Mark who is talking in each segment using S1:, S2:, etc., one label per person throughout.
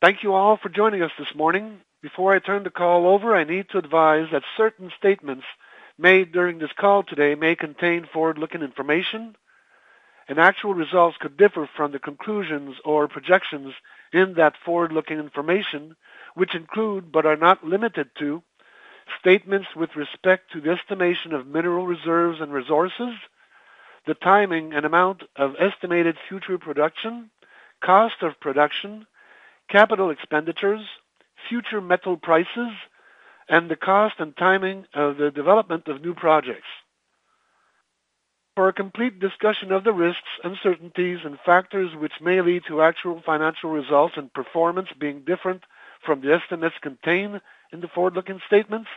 S1: Thank you all for joining us this morning. Before I turn the call over, I need to advise that certain statements made during this call today may contain forward-looking information, and actual results could differ from the conclusions or projections in that forward-looking information, which include, but are not limited to, statements with respect to the estimation of mineral reserves and resources, the timing and amount of estimated future production, cost of production, capital expenditures, future metal prices, and the cost and timing of the development of new projects. For a complete discussion of the risks, uncertainties, and factors which may lead to actual financial results and performance being different from the estimates contained in the forward-looking statements,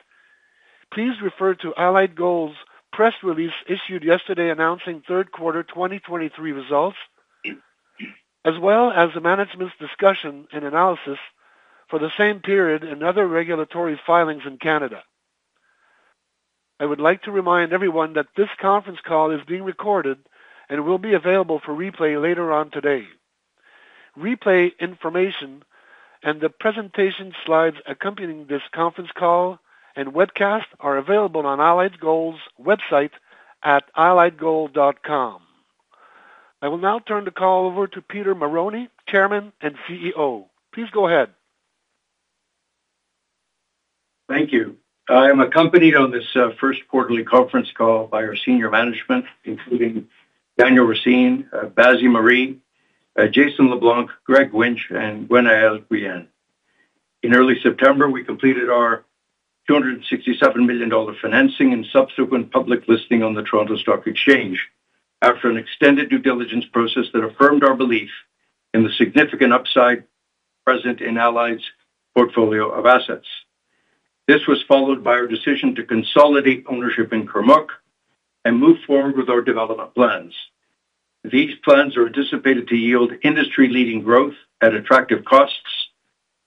S1: please refer to Allied Gold's press release issued yesterday announcing third quarter 2023 results, as well as the management's discussion and analysis for the same period and other regulatory filings in Canada. I would like to remind everyone that this conference call is being recorded and will be available for replay later on today. Replay information and the presentation slides accompanying this conference call and webcast are available on Allied Gold's website at alliedgold.com. I will now turn the call over to Peter Marrone, Chairman and CEO. Please go ahead.
S2: Thank you. I am accompanied on this first quarterly conference call by our senior management, including Daniel Racine, Basie Maree, Jason LeBlanc, Greg Winch, and Gwennael Guillen. In early September, we completed our $267 million financing and subsequent public listing on the Toronto Stock Exchange after an extended due diligence process that affirmed our belief in the significant upside present in Allied's portfolio of assets. This was followed by our decision to consolidate ownership in Kurmuk and move forward with our development plans. These plans are anticipated to yield industry-leading growth at attractive costs,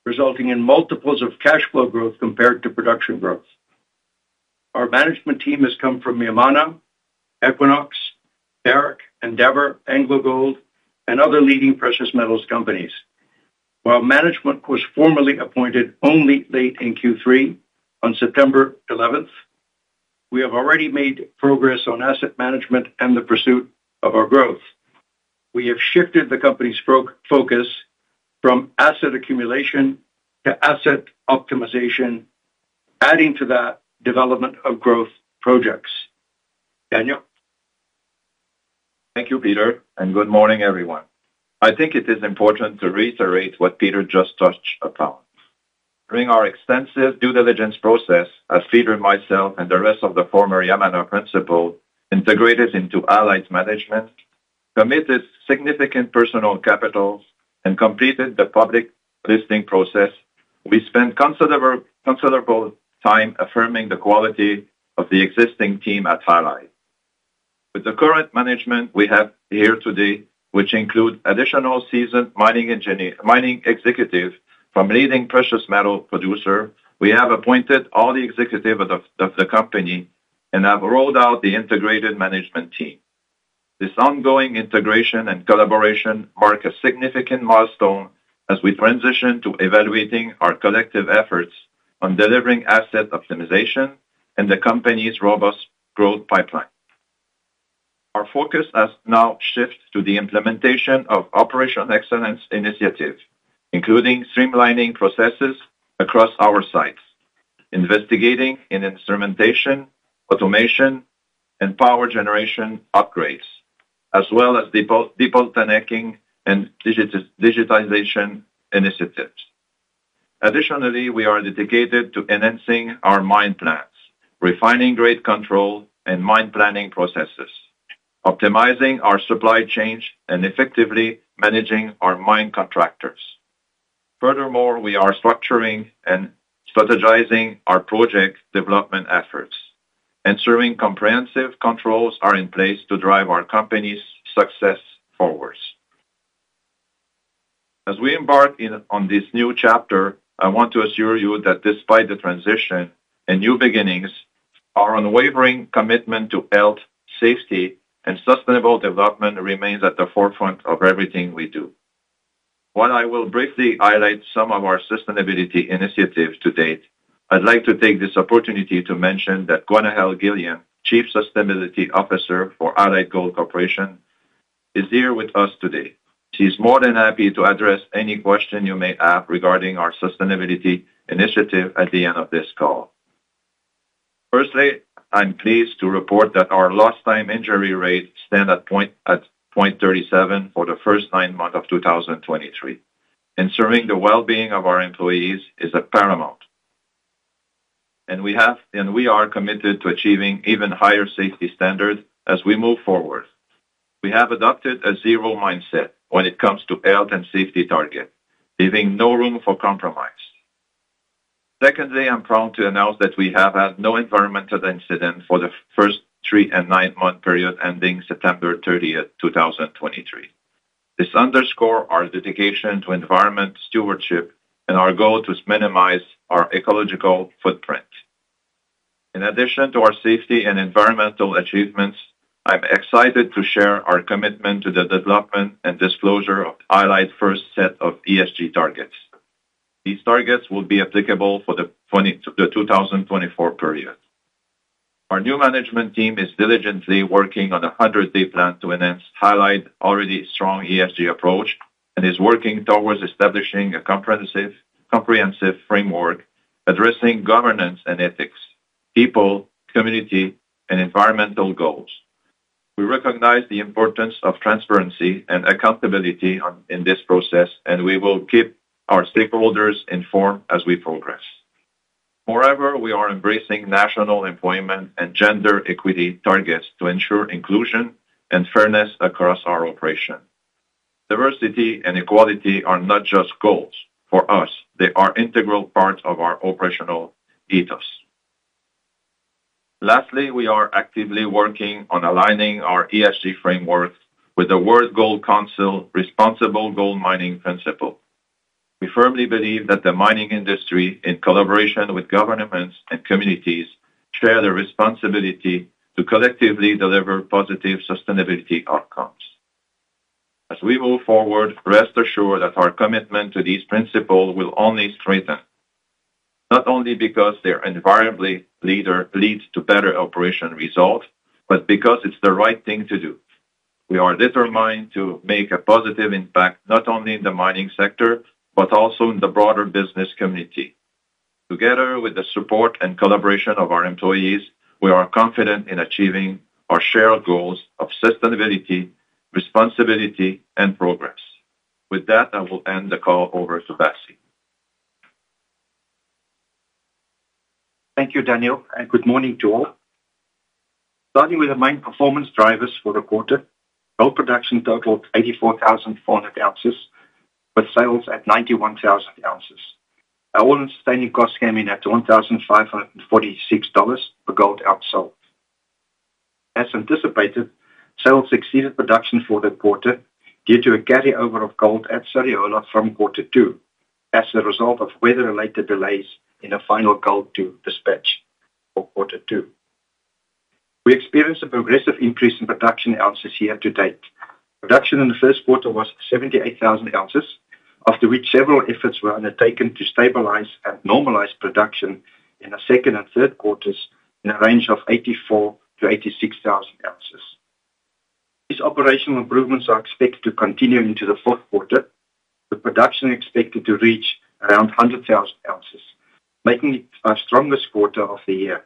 S2: resulting in multiples of cash flow growth compared to production growth. Our management team has come from Yamana, Equinox, Barrick, Endeavour, AngloGold, and other leading precious metals companies. While management was formally appointed only late in Q3 on September 11th, we have already made progress on asset management and the pursuit of our growth. We have shifted the company's focus from asset accumulation to asset optimization, adding to that development of growth projects. Daniel?
S3: Thank you, Peter, and good morning, everyone. I think it is important to reiterate what Peter just touched upon. During our extensive due diligence process, as Peter, myself, and the rest of the former Yamana principal integrated into Allied's management, committed significant personal capital, and completed the public listing process, we spent considerable, considerable time affirming the quality of the existing team at Allied. With the current management we have here today, which include additional seasoned mining engineers, mining executives from leading precious metal producers, we have appointed all the executives of the, of the company and have rolled out the integrated management team. This ongoing integration and collaboration mark a significant milestone as we transition to evaluating our collective efforts on delivering asset optimization and the company's robust growth pipeline. Our focus has now shifted to the implementation of operational excellence initiatives, including streamlining processes across our sites, investing in instrumentation, automation, and power generation upgrades, as well as debottlenecking and digitization initiatives. Additionally, we are dedicated to enhancing our mine plans, refining grade control and mine planning processes, optimizing our supply chains, and effectively managing our mine contractors. Furthermore, we are structuring and strategizing our project development efforts, ensuring comprehensive controls are in place to drive our company's success forward. As we embark on this new chapter, I want to assure you that despite the transition and new beginnings, our unwavering commitment to health, safety, and sustainable development remains at the forefront of everything we do. While I will briefly highlight some of our sustainability initiatives to date, I'd like to take this opportunity to mention that Gwennael Guillen, Chief Sustainability Officer for Allied Gold Corporation, is here with us today. She's more than happy to address any question you may have regarding our sustainability initiative at the end of this call. Firstly, I'm pleased to report that our lost-time injury rate stand at 0.37 for the first nine months of 2023. Ensuring the well-being of our employees is paramount, and we are committed to achieving even higher safety standards as we move forward. We have adopted a zero mindset when it comes to health and safety target, leaving no room for compromise. Secondly, I'm proud to announce that we have had no environmental incidents for the first three- and nine-month period ending September 30, 2023. This underscores our dedication to environmental stewardship and our goal to minimize our ecological footprint. In addition to our safety and environmental achievements, I'm excited to share our commitment to the development and disclosure of Allied's first set of ESG targets. These targets will be applicable for the 2024 period. Our new management team is diligently working on a 100-day plan to enhance Allied's already strong ESG approach, and is working towards establishing a comprehensive, comprehensive framework addressing governance and ethics, people, community, and environmental goals. We recognize the importance of transparency and accountability in this process, and we will keep our stakeholders informed as we progress. Moreover, we are embracing national employment and gender equity targets to ensure inclusion and fairness across our operation. Diversity and equality are not just goals, for us, they are integral parts of our operational ethos. Lastly, we are actively working on aligning our ESG framework with the World Gold Council Responsible Gold Mining Principles. We firmly believe that the mining industry, in collaboration with governments and communities, share the responsibility to collectively deliver positive sustainability outcomes. As we move forward, rest assured that our commitment to these principles will only strengthen, not only because they invariably lead to better operation results, but because it's the right thing to do. We are determined to make a positive impact, not only in the mining sector, but also in the broader business community. Together with the support and collaboration of our employees, we are confident in achieving our shared goals of sustainability, responsibility, and progress. With that, I will hand the call over to Basie.
S4: Thank you, Daniel, and good morning to all. Starting with the main performance drivers for the quarter, gold production totaled 84,400 ounces, with sales at 91,000 ounces. Our all-in sustaining costs came in at $1,546 per gold ounce sold. As anticipated, sales exceeded production for the quarter due to a carryover of gold at Sadiola from quarter two as a result of weather-related delays in a final gold doré dispatch for quarter two. We experienced a progressive increase in production ounces year to date. Production in the first quarter was 78,000 ounces, after which several efforts were undertaken to stabilize and normalize production in the second and third quarters in a range of 84,000-86,000 ounces. These operational improvements are expected to continue into the fourth quarter, with production expected to reach around 100,000 ounces, making it our strongest quarter of the year.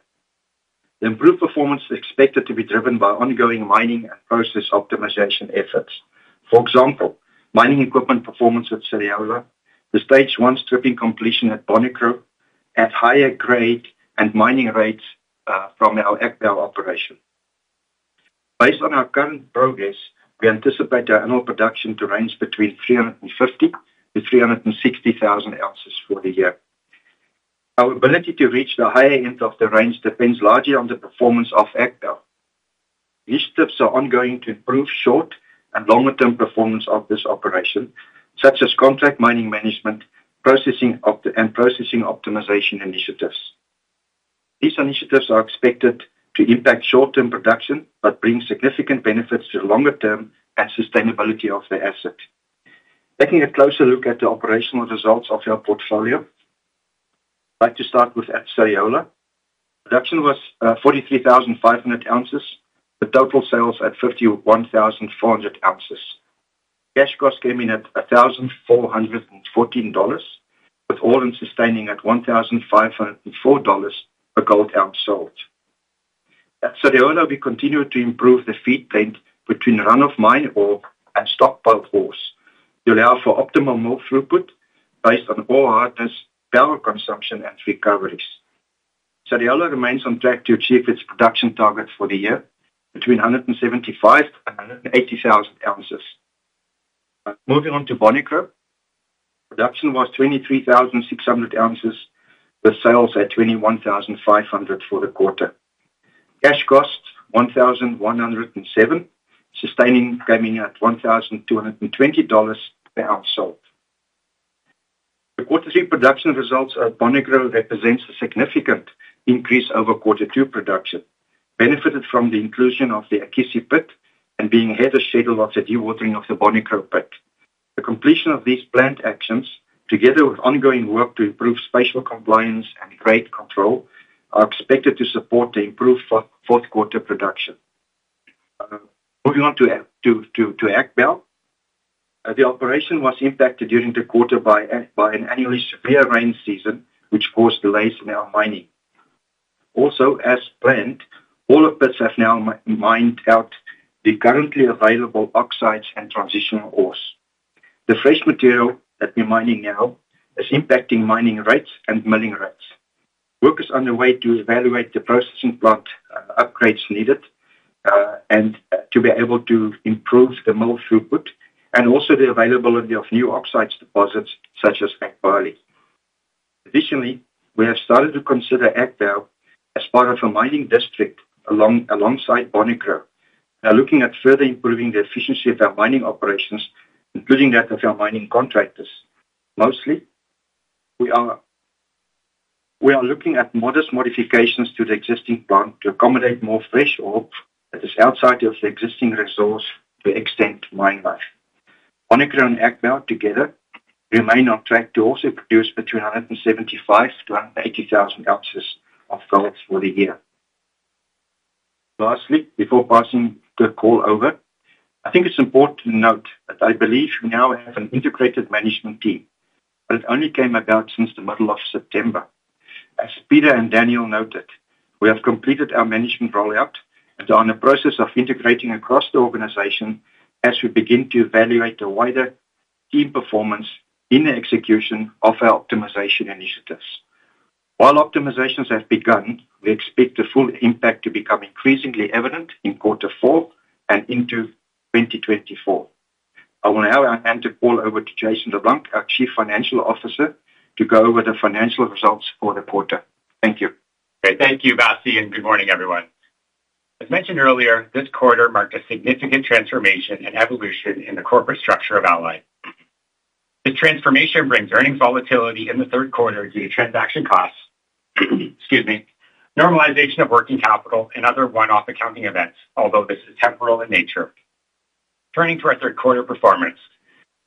S4: The improved performance is expected to be driven by ongoing mining and process optimization efforts. For example, mining equipment performance at Sadiola, the Stage 1 stripping completion at Bonikro, and higher grade and mining rates from our Agbaou operation. Based on our current progress, we anticipate our annual production to range between 350,000-360,000 ounces for the year. Our ability to reach the higher end of the range depends largely on the performance of Agbaou. These steps are ongoing to improve short- and longer-term performance of this operation, such as contract mining management and processing optimization initiatives. These initiatives are expected to impact short-term production, but bring significant benefits to the longer term and sustainability of the asset. Taking a closer look at the operational results of our portfolio, I'd like to start with Sadiola. Production was 43,500 ounces, with total sales at 51,400 ounces. Cash costs came in at $1,414, with all-in sustaining at $1,504 per gold ounce sold. At Sadiola, we continue to improve the feed plant between run-of-mine ore and stockpile ores to allow for optimal mill throughput based on ore hardness, power consumption, and recoveries. Sadiola remains on track to achieve its production targets for the year between 175,000-180,000 ounces. Moving on to Bonikro, production was 23,600 ounces, with sales at 21,500 for the quarter. Cash costs, $1,107, sustaining coming in at $1,220 per ounce sold. The Q3 production results at Bonikro represents a significant increase over quarter two production, benefited from the inclusion of the Akissi Pit and being ahead of schedule of the dewatering of the Bonikro pit. The completion of these planned actions, together with ongoing work to improve spatial compliance and grade control, are expected to support the improved fourth quarter production. Moving on to Agbaou. The operation was impacted during the quarter by an unusually severe rain season, which caused delays in our mining. Also, as planned, all of us have now mined out the currently available oxides and transitional ores. The fresh material that we're mining now is impacting mining rates and milling rates. Work is underway to evaluate the processing plant upgrades needed, and to be able to improve the mill throughput and also the availability of new oxide deposits, such as Agbaou-Li. Additionally, we have started to consider Agbaou as part of a mining district alongside Bonikro. We are looking at further improving the efficiency of our mining operations, including that of our mining contractors. Mostly, we are looking at modest modifications to the existing plant to accommodate more fresh ore that is outside of the existing resource to extend mine life. Bonikro and Agbaou together remain on track to also produce between 175- and 180 thousand ounces of gold for the year. Lastly, before passing the call over, I think it's important to note that I believe we now have an integrated management team, but it only came about since the middle of September. As Peter and Daniel noted, we have completed our management rollout and are in the process of integrating across the organization as we begin to evaluate the wider team performance in the execution of our optimization initiatives. While optimizations have begun, we expect the full impact to become increasingly evident in quarter four and into 2024. I will now hand the call over to Jason LeBlanc, our Chief Financial Officer, to go over the financial results for the quarter. Thank you.
S5: Great. Thank you, Basie, and good morning, everyone. As mentioned earlier, this quarter marked a significant transformation and evolution in the corporate structure of Allied. The transformation brings earnings volatility in the third quarter due to transaction costs, excuse me, normalization of working capital and other one-off accounting events, although this is temporary in nature. Turning to our third quarter performance,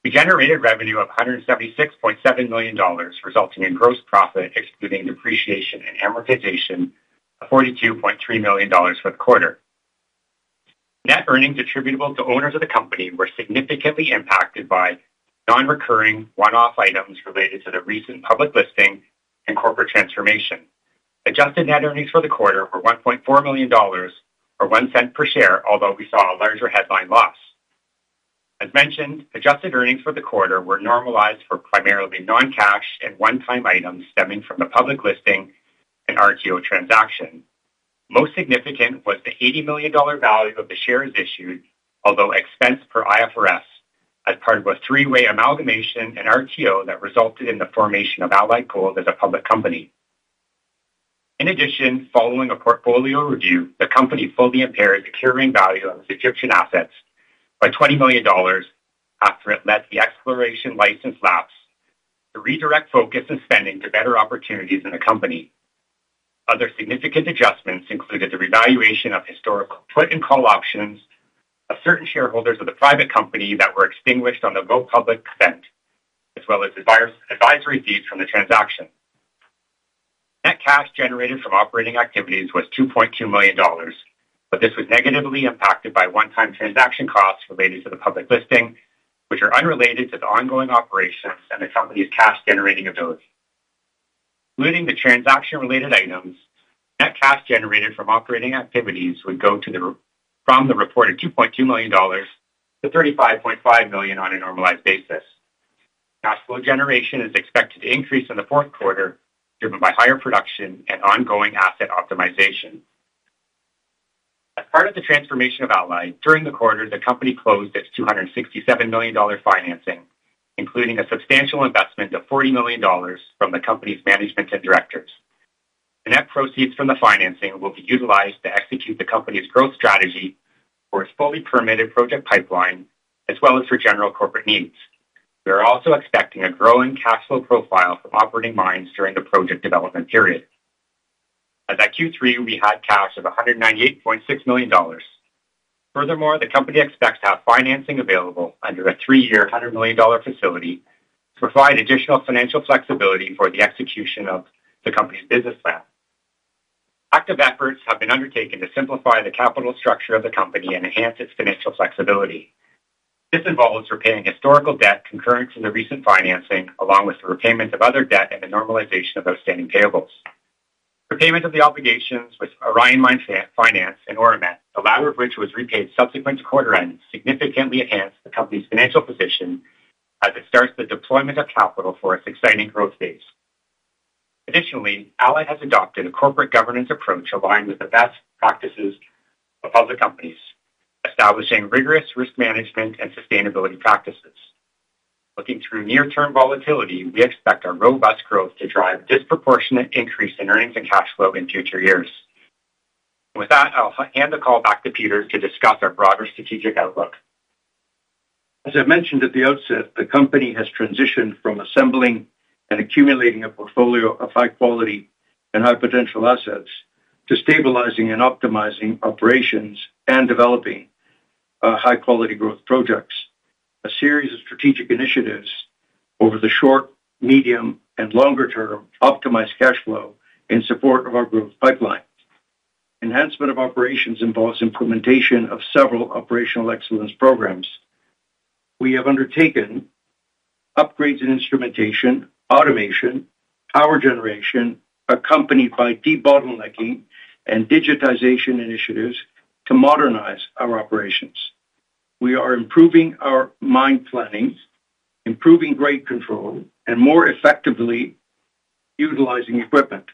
S5: we generated revenue of $176.7 million, resulting in gross profit, excluding depreciation and amortization, of $42.3 million for the quarter. Net earnings attributable to owners of the company were significantly impacted by non-recurring one-off items related to the recent public listing and corporate transformation. Adjusted net earnings for the quarter were $1.4 million, or $0.01 per share, although we saw a larger headline loss. As mentioned, adjusted earnings for the quarter were normalized for primarily non-cash and one-time items stemming from the public listing and RTO Transaction. Most significant was the $80 million value of the shares issued, although expense per IFRS, as part of a three-way amalgamation and RTO that resulted in the formation of Allied Gold as a public company. In addition, following a portfolio review, the company fully impaired the carrying value of its Egyptian assets by $20 million after it let the exploration licenses lapse to redirect focus and spending to better opportunities in the company. Other significant adjustments included the revaluation of historical put and call options of certain shareholders of the private company that were extinguished on the go-public event, as well as advisory fees from the transaction. Net cash generated from operating activities was $2.2 million, but this was negatively impacted by one-time transaction costs related to the public listing, which are unrelated to the ongoing operations and the company's cash-generating ability. Including the transaction-related items, net cash generated from operating activities would go from the reported $2.2 million to $35.5 million on a normalized basis. Cash flow generation is expected to increase in the fourth quarter, driven by higher production and ongoing asset optimization. As part of the transformation of Allied, during the quarter, the company closed its $267 million financing, including a substantial investment of $40 million from the company's management and directors. The net proceeds from the financing will be utilized to execute the company's growth strategy for its fully permitted project pipeline, as well as for general corporate needs. We are also expecting a growing cash flow profile from operating mines during the project development period. As at Q3, we had cash of $198.6 million. Furthermore, the company expects to have financing available under a three-year, $100 million facility to provide additional financial flexibility for the execution of the company's business plan. Active efforts have been undertaken to simplify the capital structure of the company and enhance its financial flexibility. This involves repaying historical debt concurrent to the recent financing, along with the repayment of other debt and the normalization of outstanding payables. Repayment of the obligations with Orion Mine Finance and Auramet, the latter of which was repaid subsequent to quarter end, significantly enhanced the company's financial position as it starts the deployment of capital for its exciting growth phase. Additionally, Allied has adopted a corporate governance approach aligned with the best practices of other companies, establishing rigorous risk management and sustainability practices. Looking through near-term volatility, we expect our robust growth to drive disproportionate increase in earnings and cash flow in future years. With that, I'll hand the call back to Peter to discuss our broader strategic outlook.
S2: As I mentioned at the outset, the company has transitioned from assembling and accumulating a portfolio of high-quality and high-potential assets, to stabilizing and optimizing operations and developing high-quality growth projects. A series of strategic initiatives over the short, medium, and longer term optimize cash flow in support of our growth pipeline. Enhancement of operations involves implementation of several operational excellence programs. We have undertaken upgrades in instrumentation, automation, power generation, accompanied by debottlenecking and digitization initiatives to modernize our operations. We are improving our mine planning, improving grade control, and more effectively utilizing equipment.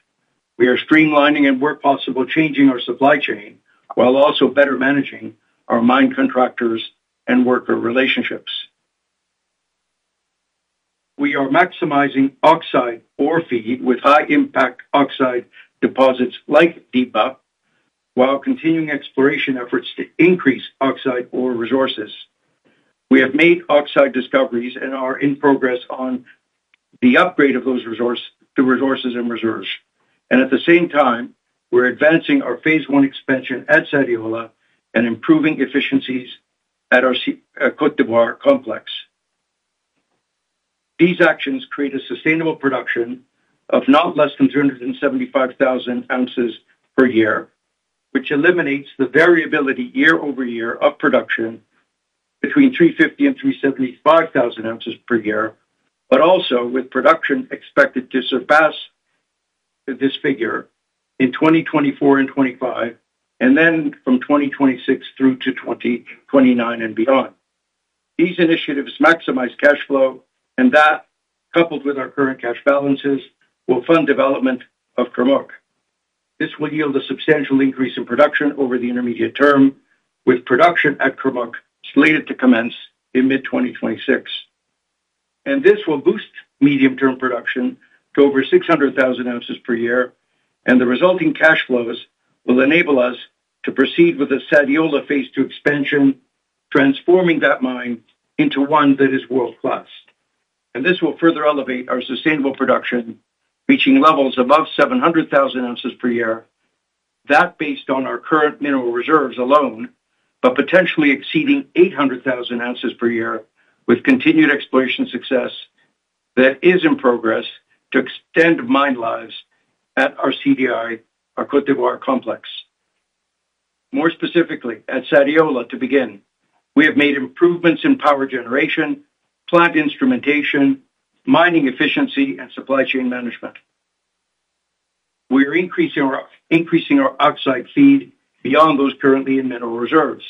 S2: We are streamlining and, where possible, changing our supply chain while also better managing our mine contractors and worker relationships. We are maximizing oxide ore feed with high-impact oxide deposits like Diba, while continuing exploration efforts to increase oxide ore resources. We have made oxide discoveries and are in progress on the upgrade of those resource, the resources and reserves. At the same time, we're advancing our Phase 1 expansion at Sadiola and improving efficiencies at our Côte d'Ivoire complex. These actions create a sustainable production of not less than 275,000 ounces per year, which eliminates the variability year-over-year of production between 350,000 and 375,000 ounces per year, but also with production expected to surpass this figure in 2024 and 2025, and then from 2026 through to 2029 and beyond. These initiatives maximize cash flow, and that, coupled with our current cash balances, will fund development of Kurmuk. This will yield a substantial increase in production over the intermediate term, with production at Kurmuk slated to commence in mid-2026. And this will boost medium-term production to over 600,000 ounces per year, and the resulting cash flows will enable us to proceed with the Sadiola Phase 2 expansion, transforming that mine into one that is world-class. And this will further elevate our sustainable production, reaching levels above 700,000 ounces per year. That based on our current mineral reserves alone, but potentially exceeding 800,000 ounces per year, with continued exploration success that is in progress to extend mine lives at our CDI, our Côte d'Ivoire complex. More specifically, at Sadiola, to begin, we have made improvements in power generation, plant instrumentation, mining efficiency, and supply chain management. We are increasing our oxide feed beyond those currently in mineral reserves.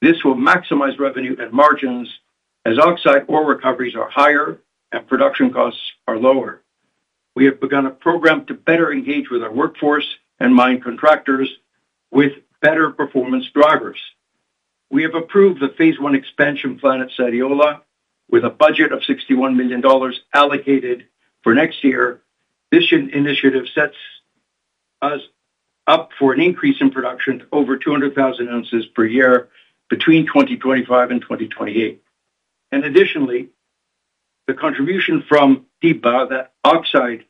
S2: This will maximize revenue and margins as oxide ore recoveries are higher and production costs are lower. We have begun a program to better engage with our workforce and mine contractors with better performance drivers. We have approved the Phase 1 expansion plan at Sadiola, with a budget of $61 million allocated for next year. This initiative sets us up for an increase in production to over 200,000 ounces per year between 2025 and 2028. Additionally, the contribution from Diba, the oxide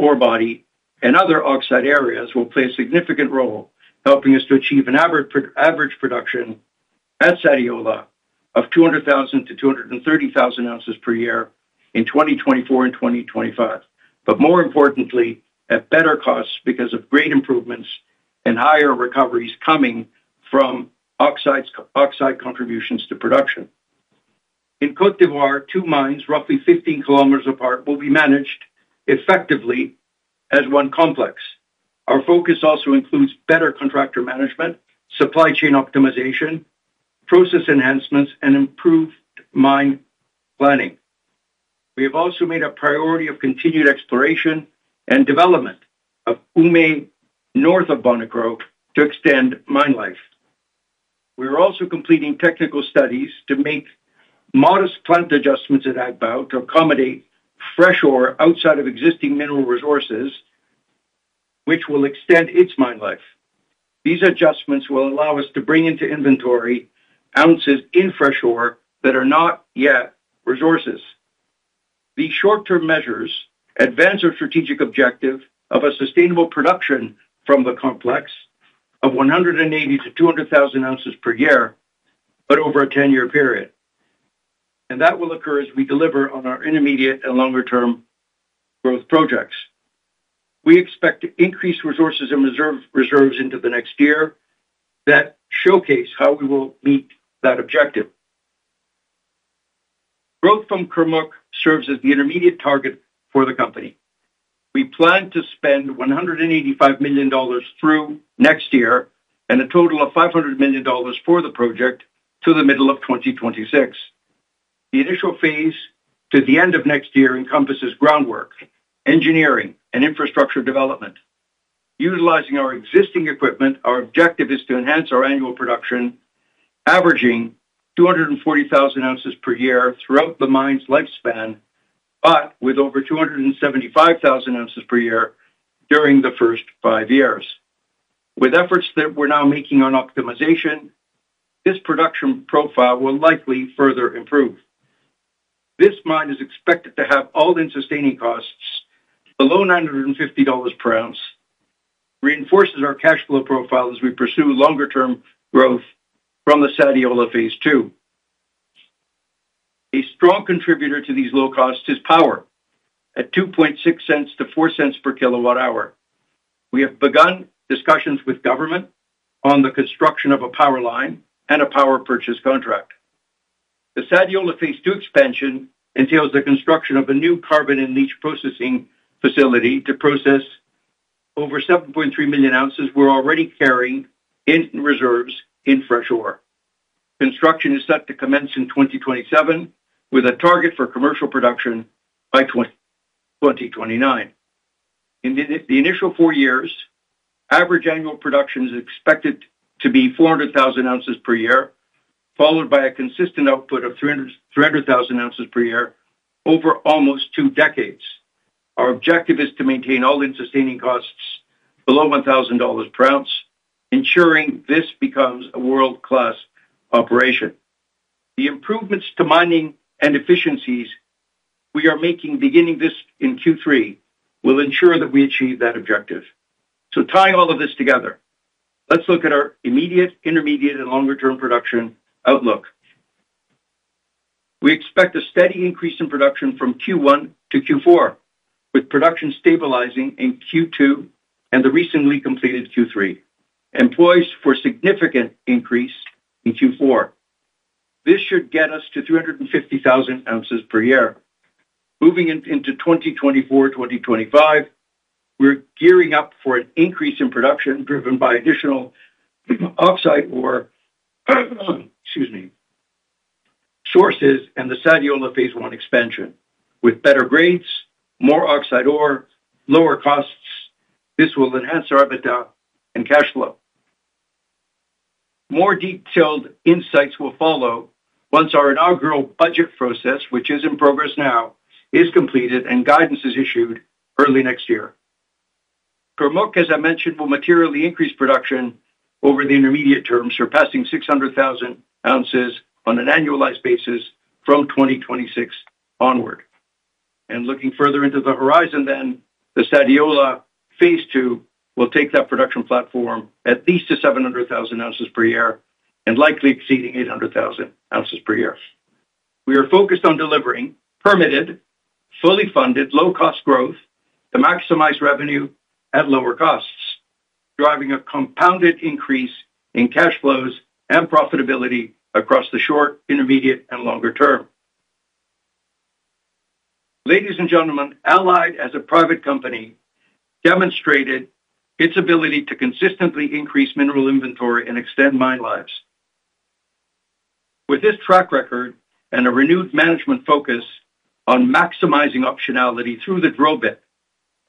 S2: orebody and other oxide areas will play a significant role, helping us to achieve an average production at Sadiola of 200,000-230,000 ounces per year in 2024 and 2025. But more importantly, at better costs because of great improvements and higher recoveries coming from oxides, oxide contributions to production. In Côte d'Ivoire, two mines, roughly 15 kilometers apart, will be managed effectively as one complex. Our focus also includes better contractor management, supply chain optimization, process enhancements, and improved mine planning. We have also made a priority of continued exploration and development of Oumé, north of Bonikro, to extend mine life. We are also completing technical studies to make modest plant adjustments at Agbaou to accommodate fresh ore outside of existing mineral resources, which will extend its mine life. These adjustments will allow us to bring into inventory ounces in fresh ore that are not yet resources. These short-term measures advance our strategic objective of a sustainable production from the complex of 180,000-200,000 ounces per year, but over a 10-year period. And that will occur as we deliver on our intermediate and longer-term growth projects. We expect to increase resources and reserves into the next year that showcase how we will meet that objective. Growth from Kurmuk serves as the intermediate target for the company. We plan to spend $185 million through next year and a total of $500 million for the project through the middle of 2026. The initial phase to the end of next year encompasses groundwork, engineering, and infrastructure development. Utilizing our existing equipment, our objective is to enhance our annual production, averaging 240,000 ounces per year throughout the mine's lifespan, but with over 275,000 ounces per year during the first five years. With efforts that we're now making on optimization, this production profile will likely further improve. This mine is expected to have all-in sustaining costs below $950 per ounce. Reinforces our cash flow profile as we pursue longer-term growth from the Sadiola Phase 2. A strong contributor to these low costs is power, at $0.026-$0.04 per kWh. We have begun discussions with government on the construction of a power line and a power purchase contract. The Sadiola Phase 2 Expansion entails the construction of a new carbon-in-leach processing facility to process over 7.3 million ounces we're already carrying in reserves in fresh ore. Construction is set to commence in 2027, with a target for commercial production by 2029. In the initial four years, average annual production is expected to be 400,000 ounces per year, followed by a consistent output of 300,000 ounces per year over almost two decades. Our objective is to maintain all-in sustaining costs below $1,000 per ounce, ensuring this becomes a world-class operation. The improvements to mining and efficiencies we are making, beginning this in Q3, will ensure that we achieve that objective. To tie all of this together, let's look at our immediate, intermediate, and longer-term production outlook. We expect a steady increase in production from Q1 to Q4, with production stabilizing in Q2 and the recently completed Q3, and poised for significant increase in Q4. This should get us to 350,000 ounces per year. Moving in, into 2024, 2025, we're gearing up for an increase in production, driven by additional oxide ore, excuse me, sources and the Sadiola Phase 1 Expansion. With better grades, more oxide ore, lower costs, this will enhance our EBITDA and cash flow. More detailed insights will follow once our inaugural budget process, which is in progress now, is completed and guidance is issued early next year. Kurmuk, as I mentioned, will materially increase production over the intermediate term, surpassing 600,000 ounces on an annualized basis from 2026 onward. Looking further into the horizon then, the Sadiola Phase 2 will take that production platform at least to 700,000 ounces per year and likely exceeding 800,000 ounces per year. We are focused on delivering permitted, fully funded, low-cost growth to maximize revenue at lower costs, driving a compounded increase in cash flows and profitability across the short, intermediate, and longer term. Ladies and gentlemen, Allied, as a private company, demonstrated its ability to consistently increase mineral inventory and extend mine lives. With this track record and a renewed management focus on maximizing optionality through the drill bit,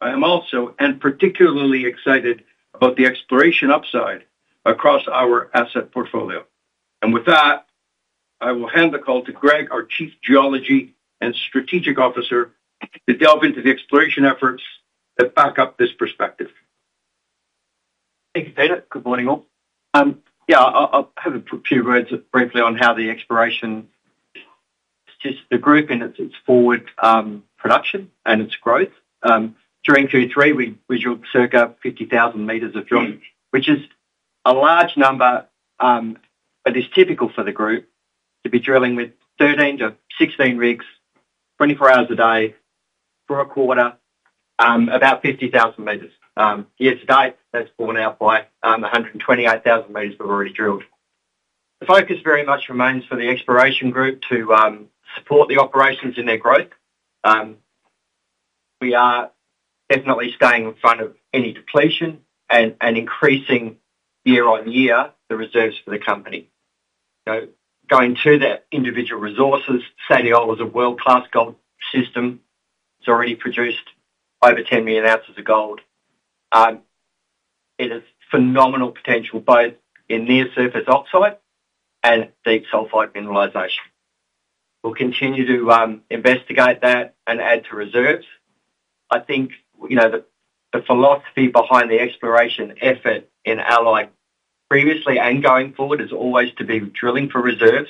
S2: I am also, and particularly excited about the exploration upside across our asset portfolio. With that, I will hand the call to Greg, our Chief Geology and Strategic Officer, to delve into the exploration efforts that back up this perspective.
S6: Thank you, Peter. Good morning, all. Yeah, I'll have a few words briefly on how the exploration, just the group in its forward production and its growth. During Q3, we drilled circa 50,000 meters of drilling, which is a large number, but it's typical for the group to be drilling with 13-16 rigs, 24 hours a day for a quarter, about 50,000 meters. Year to date, that's borne out by 128,000 meters we've already drilled. The focus very much remains for the exploration group to support the operations in their growth. We are definitely staying in front of any depletion and increasing year-on-year the reserves for the company. So going to the individual resources, Sadiola is a world-class gold system. It's already produced over 10 million ounces of gold. It has phenomenal potential, both in near-surface oxide and deep sulfide mineralization. We'll continue to investigate that and add to reserves. I think, you know, the philosophy behind the exploration effort in Allied previously and going forward, is always to be drilling for reserves.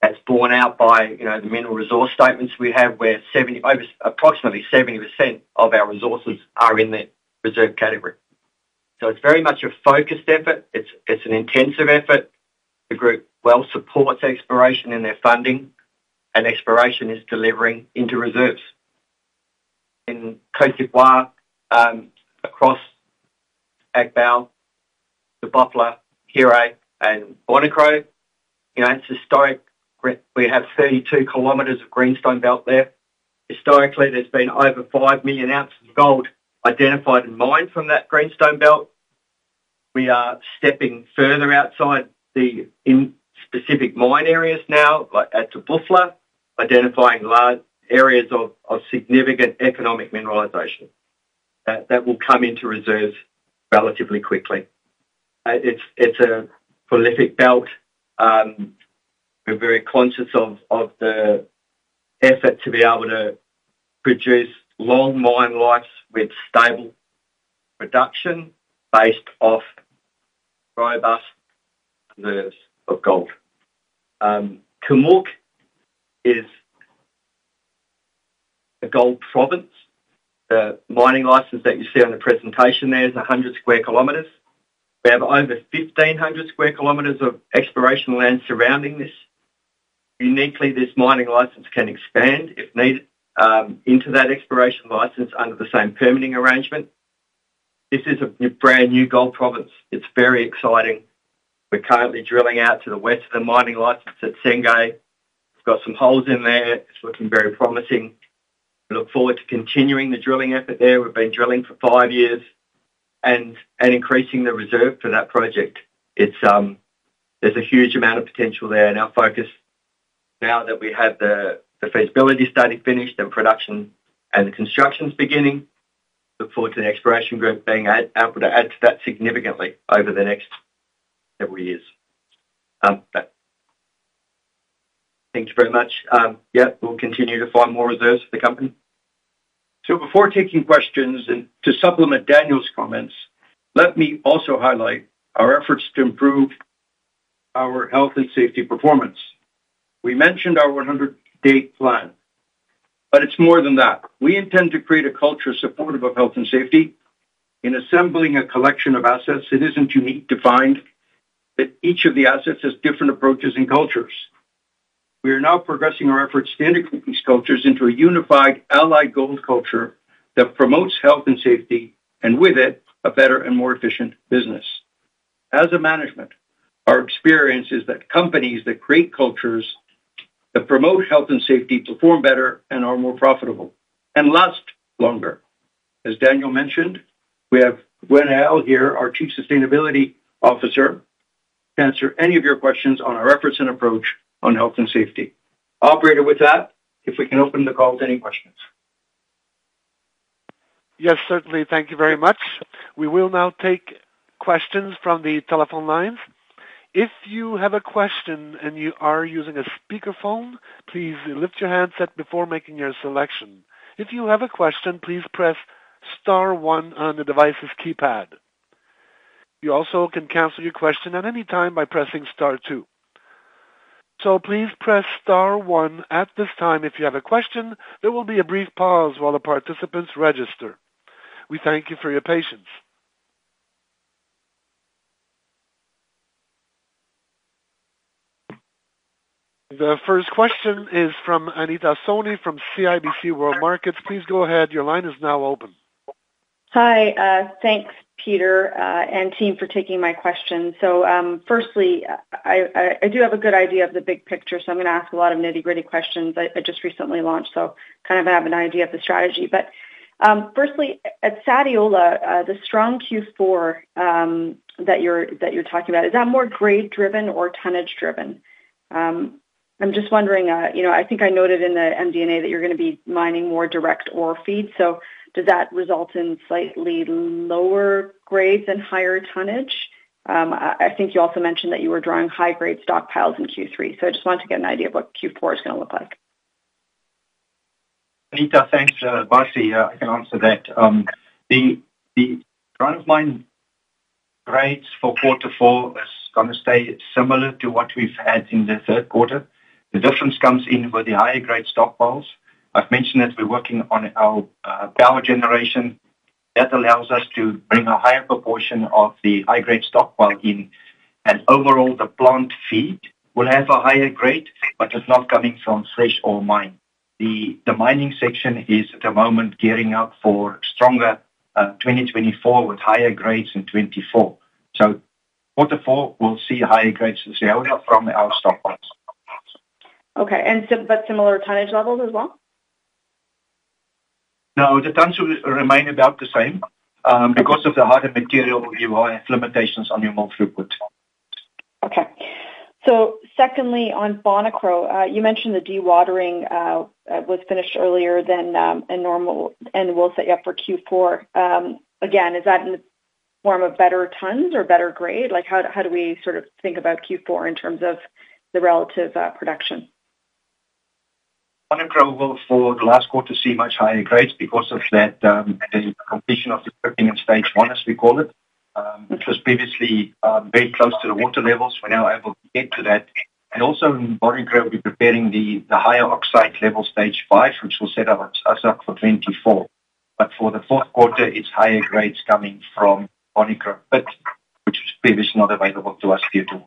S6: That's borne out by, you know, the mineral resource statements we have, where over approximately 70% of our resources are in the reserve category. So it's very much a focused effort. It's an intensive effort. The group well supports exploration in their funding, and exploration is delivering into reserves. In Côte d'Ivoire, across Agbaou, Tabala, Hiré, and Bonikro, you know, it's historic. We have 32 kilometers of greenstone belt there. Historically, there's been over 5 million ounces of gold identified and mined from that greenstone belt. We are stepping further outside the in specific mine areas now, like at Tabala, identifying large areas of significant economic mineralization that will come into reserve relatively quickly. It's a prolific belt. We're very conscious of the effort to be able to produce long mine lives with stable production based off robust reserves of gold. Kurmuk is a gold province. The mining license that you see on the presentation there is 100 sq km. We have over 1,500 sq km of exploration land surrounding this. Uniquely, this mining license can expand, if needed, into that exploration license under the same permitting arrangement. This is a brand-new gold province. It's very exciting. We're currently drilling out to the west of the mining license at Tsenge. We've got some holes in there. It's looking very promising. We look forward to continuing the drilling effort there, we've been drilling for five years, and increasing the reserve for that project. It's, there's a huge amount of potential there, and our focus-now that we have the feasibility study finished and production and the construction is beginning, look forward to the exploration group being able to add to that significantly over the next several years. Thanks very much. Yeah, we'll continue to find more reserves for the company.
S2: Before taking questions, and to supplement Daniel's comments, let me also highlight our efforts to improve our health and safety performance. We mentioned our 100-day plan, but it's more than that. We intend to create a culture supportive of health and safety. In assembling a collection of assets, it isn't unique to find that each of the assets has different approaches and cultures. We are now progressing our efforts to integrate these cultures into a unified Allied Gold culture that promotes health and safety, and with it, a better and more efficient business. As a management, our experience is that companies that create cultures that promote health and safety perform better and are more profitable and last longer. As Daniel mentioned, we have Gwennael here, our Chief Sustainability Officer, to answer any of your questions on our efforts and approach on health and safety. Operator, with that, if we can open the call to any questions.
S1: Yes, certainly. Thank you very much. We will now take questions from the telephone lines. If you have a question and you are using a speakerphone, please lift your handset before making your selection. If you have a question, please press star one on the device's keypad. You also can cancel your question at any time by pressing star two. So please press star one at this time if you have a question. There will be a brief pause while the participants register. We thank you for your patience. The first question is from Anita Soni, from CIBC World Markets. Please go ahead. Your line is now open.
S7: Hi, thanks, Peter, and team for taking my questions. So, firstly, I do have a good idea of the big picture, so I'm gonna ask a lot of nitty-gritty questions. I just recently launched, so kind of have an idea of the strategy. But, firstly, at Sadiola, the strong Q4 that you're talking about, is that more grade driven or tonnage driven? I'm just wondering, you know, I think I noted in the MD&A that you're gonna be mining more direct ore feed, so does that result in slightly lower grades and higher tonnage? I think you also mentioned that you were drawing high-grade stockpiles in Q3, so I just wanted to get an idea of what Q4 is gonna look like.
S4: Anita, thanks. Lastly, I can answer that. The run-of-mine grades for quarter four is gonna stay similar to what we've had in the third quarter. The difference comes in with the higher grade stockpiles. I've mentioned that we're working on our power generation. That allows us to bring a higher proportion of the high-grade stockpile in, and overall, the plant feed will have a higher grade, but it's not coming from fresh ore mine. The mining section is, at the moment, gearing up for stronger 2024, with higher grades in 2024. So quarter four, we'll see higher grades from Sadiola from our stockpiles.
S7: Okay, and but similar tonnage levels as well?
S4: No, the tons will remain about the same, because of the harder material, we will have limitations on the amount throughput.
S7: Okay. So secondly, on Bonikro, you mentioned the dewatering was finished earlier than normal and will set you up for Q4. Again, is that in the form of better tons or better grade? Like, how do we sort of think about Q4 in terms of the relative production?
S4: Bonikro will, for the last quarter, see much higher grades because of that, the completion of the prepping in Stage 1, as we call it. It was previously very close to the water levels. We're now able to get to that. And also in Bonikro, we're preparing the higher oxide level, Stage 5, which will set us up for 2024. But for the fourth quarter, it's higher grades coming from Bonikro, but which was previously not available to us due to.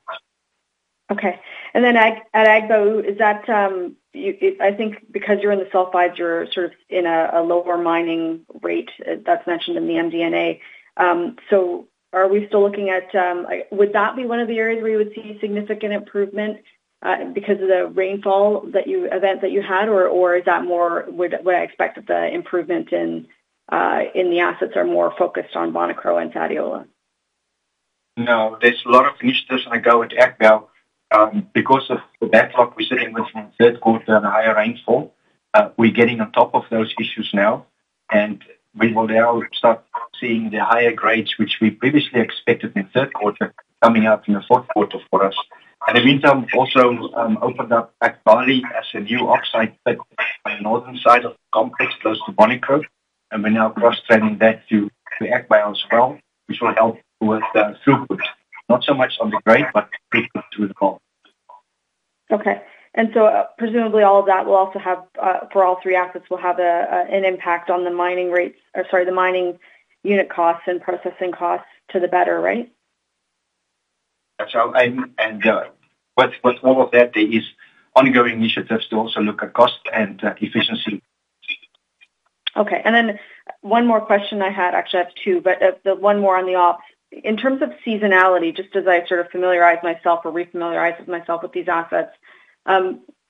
S7: Okay. And then at Agbaou, is that, I think because you're in the sulfides, you're sort of in a lower mining rate that's mentioned in the MD&A. So are we still looking at. Would that be one of the areas where you would see significant improvement, because of the rainfall event that you had, or is that more, would I expect that the improvement in the assets are more focused on Bonikro and Sadiola?
S4: No, there's a lot of initiatives I go with Agbaou, because of the backlog we sitting with from third quarter and higher rainfall, we're getting on top of those issues now, and we will now start seeing the higher grades, which we previously expected in third quarter, coming out in the fourth quarter for us. In the meantime, we also opened up Agbaou as a new oxide pit by the northern side of the complex, close to Bonikro, and we're now cross-training that to Agbaou as well, which will help with the throughput, not so much on the grade, but throughput to the goal.
S7: Okay. And so presumably all of that will also have, for all three assets, will have an impact on the mining rates, or, sorry, the mining unit costs and processing costs to the better, right?
S4: So, with all of that, there is ongoing initiatives to also look at cost and efficiency.
S7: Okay. And then one more question I had, actually, I have two, but the one more on the op. In terms of seasonality, just as I sort of familiarize myself or refamiliarize myself with these assets,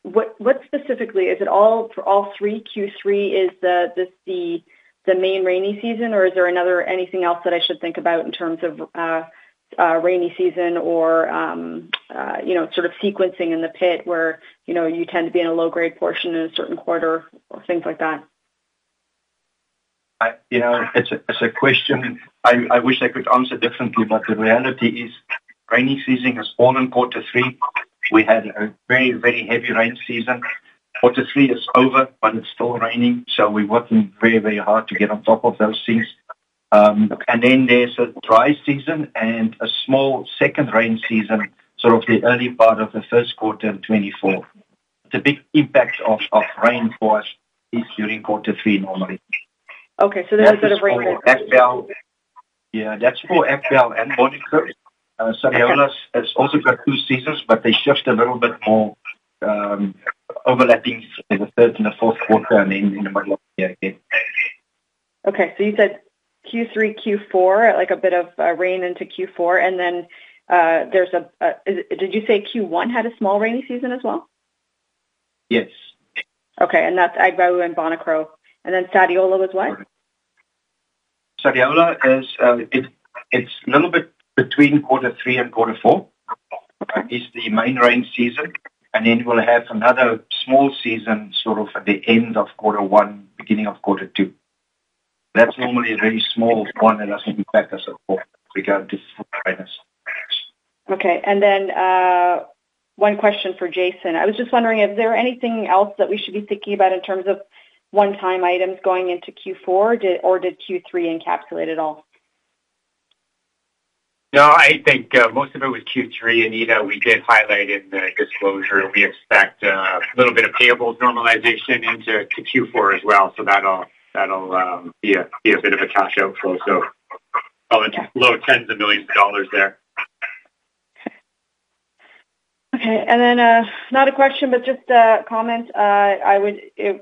S7: what specifically is it for all three? Q3 is the main rainy season, or is there anything else that I should think about in terms of rainy season or, you know, sort of sequencing in the pit where, you know, you tend to be in a low-grade portion in a certain quarter or things like that?
S4: You know, it's a question I wish I could answer differently, but the reality is, rainy season has fallen quarter three. We had a very, very heavy rain season. Quarter three is over, but it's still raining, so we're working very, very hard to get on top of those things. And then there's a dry season and a small second rain season, sort of the early part of the first quarter of 2024. The big impact of rain for us is during quarter three, normally.
S7: Okay, so there is a bit of rain.
S4: Yeah, that's for Agbaou and Bonikro. Sadiola has also got two seasons, but they shift a little bit more, overlapping in the third and the fourth quarter, and then in the middle of the year again.
S7: Okay. So you said Q3, Q4, like a bit of rain into Q4, and then there's a. Did you say Q1 had a small rainy season as well?
S4: Yes.
S7: Okay, and that's Agbaou and Bonikro. And then Sadiola was what?
S4: Sadiola is, it's a little bit between quarter three and quarter four. It's the main rain season, and then we'll have another small season, sort of at the end of quarter one, beginning of quarter two. That's normally a very small one, and doesn't impact us at all regarding this dryness.
S7: Okay. And then, one question for Jason. I was just wondering, is there anything else that we should be thinking about in terms of one-time items going into Q4, or did Q3 encapsulate it all?
S5: No, I think most of it was Q3, Anita. We did highlight in the disclosure, we expect a little bit of payables normalization into Q4 as well. So that'll be a bit of a cash outflow. So probably low tens of millions of dollars there.
S7: Okay. And then, not a question, but just a comment. I would,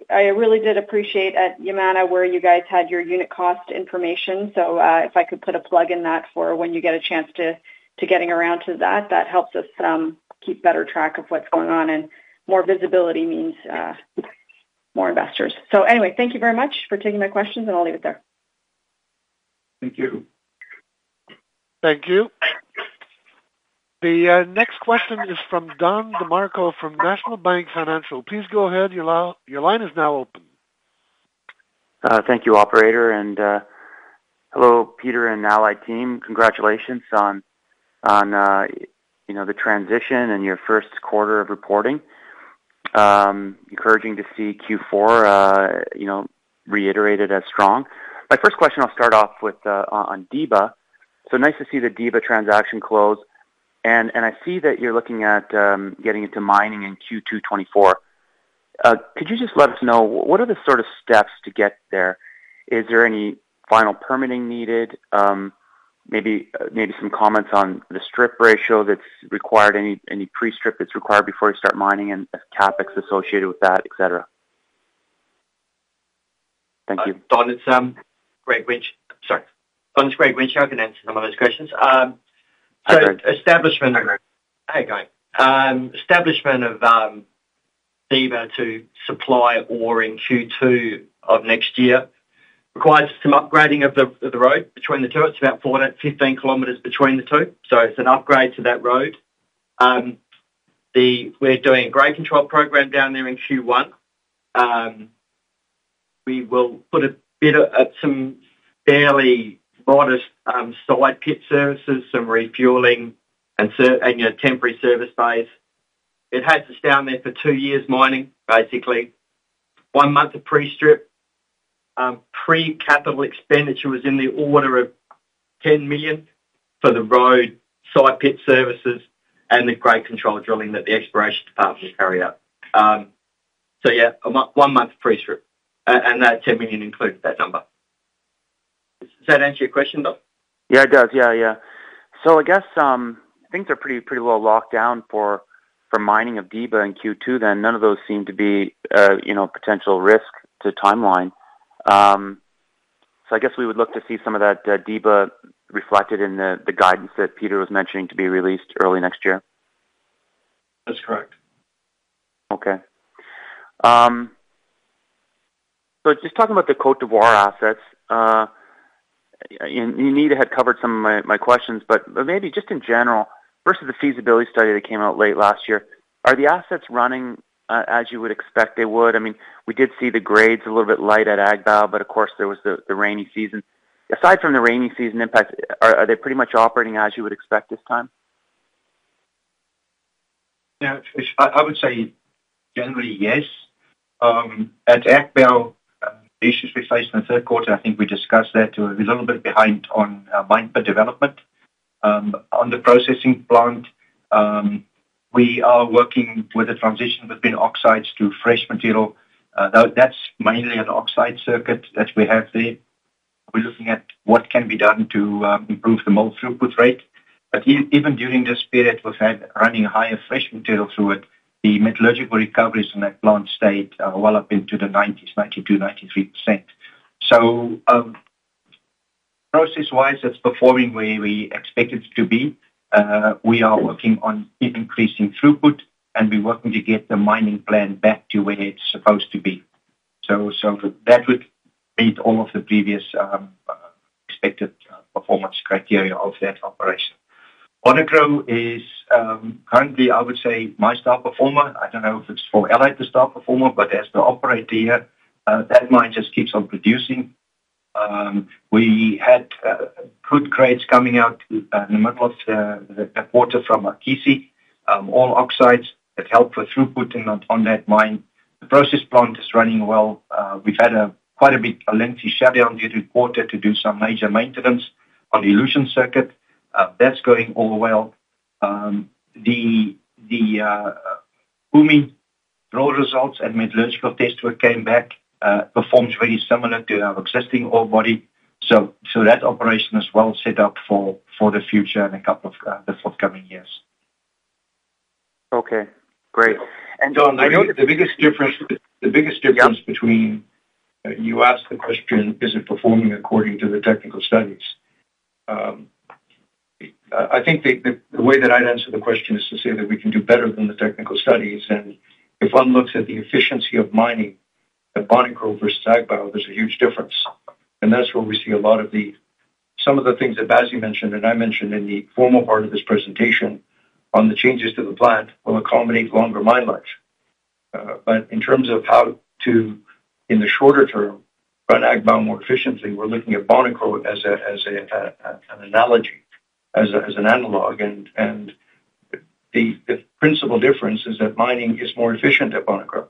S7: I really did appreciate at Yamana, where you guys had your unit cost information. So, if I could put a plug in that for when you get a chance to, to getting around to that, that helps us, keep better track of what's going on, and more visibility means, more investors. So anyway, thank you very much for taking my questions, and I'll leave it there.
S4: Thank you.
S1: Thank you. The next question is from Don DeMarco, from National Bank Financial. Please go ahead. Your line, your line is now open.
S8: Thank you, operator. And hello, Peter and Allied team. Congratulations on, you know, the transition and your first quarter of reporting. Encouraging to see Q4, you know, reiterated as strong. My first question, I'll start off with on Diba. So nice to see the Diba transaction close, and I see that you're looking at getting into mining in Q2 2024. Could you just let us know, what are the sort of steps to get there? Is there any final permitting needed? Maybe some comments on the strip ratio that's required, any pre-strip that's required before you start mining and the CapEx associated with that, et cetera. Thank you.
S6: Don, it's Greg Winch. Sorry. Don, it's Greg Winch here. I can answer some of those questions. So, establishment of Diba to supply ore in Q2 of next year requires some upgrading of the road between the two. It's about 14-15 kilometers between the two, so it's an upgrade to that road. We're doing a grade control program down there in Q1. We will put a bit of, at some fairly modest, side pit services, some refueling and, you know, temporary service base. It has us down there for two years mining, basically. One month of pre-strip. Pre-capital expenditure was in the order of $10 million for the road, side pit services and the grade control drilling that the exploration department carry out. So yeah, a month, one month pre-strip, and that $10 million includes that number. Does that answer your question, Don?
S8: Yeah, it does. Yeah, yeah. So I guess, things are pretty, pretty well locked down for, for mining of Diba in Q2, then none of those seem to be, you know, potential risk to timeline. So I guess we would look to see some of that, Diba reflected in the, the guidance that Peter was mentioning to be released early next year.
S4: That's correct.
S8: Okay. So just talking about the Côte d'Ivoire assets, Anita had covered some of my, my questions, but maybe just in general, versus the feasibility study that came out late last year, are the assets running as you would expect they would? I mean, we did see the grades a little bit light at Agbaou, but of course, there was the rainy season. Aside from the rainy season impact, are they pretty much operating as you would expect this time?
S4: Yeah, I would say generally, yes. At Agbaou, issues we faced in the third quarter, I think we discussed that we're a little bit behind on mine pit development. On the processing plant, we are working with the transition between oxides to fresh material. That's mainly an oxide circuit that we have there. We're looking at what can be done to improve the mill throughput rate. But even during this period, we've had running higher fresh material through it. The metallurgical recoveries in that plant stayed well up into the 90s, 92%-93%. So, process-wise, it's performing where we expect it to be. We are working on increasing throughput, and we're working to get the mining plan back to where it's supposed to be. So, that would meet all of the previous. Expected performance criteria of that operation. Bonikro is currently, I would say, my star performer. I don't know if it's for Allied, the star performer, but as the operator here, that mine just keeps on producing. We had good grades coming out in the middle of the quarter from Akissi, all oxides that help with throughput on that mine. The process plant is running well. We've had quite a lengthy shutdown this quarter to do some major maintenance on the elution circuit. That's going well. The Oumé raw results and metallurgical test work came back, performs very similar to our existing orebody. So that operation is well set up for the future in a couple of the forthcoming years.
S8: Okay, great.
S2: And Don, I know the biggest difference, you asked the question, is it performing according to the technical studies? I think the way that I'd answer the question is to say that we can do better than the technical studies. If one looks at the efficiency of mining at Bonikro versus Agbaou, there's a huge difference. That's where we see a lot of the things that Basie mentioned, and I mentioned in the formal part of this presentation on the changes to the plant, will accommodate longer mine life. But in terms of how to, in the shorter term, run Agbaou more efficiently, we're looking at Bonikro as an analogy, as an analogue. The principal difference is that mining is more efficient at Bonikro.